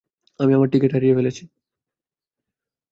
আমি আমার টিকিট হারিয়ে তার কাছে আবদ্ধ থাকব এবং তুমি তার কাছে বন্দী থাকবা?